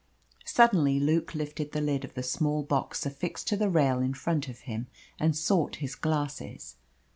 Suddenly Luke lifted the lid of the small box affixed to the rail in front of him and sought his glasses.